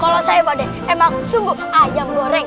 kalau saya pade emang sumbu ayam goreng